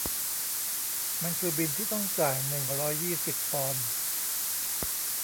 มันคือบิลที่ต้องจ่ายหนึ่งร้อยยี่สิบปอนด์